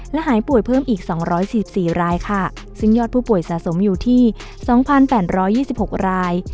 และหายป่วยเพิ่มอีกสองร้อยสิบสี่รายค่ะซึ่งยอดผู้ป่วยสะสมอยู่ที่สองพันแป่นร้อยยี่สิบหกราย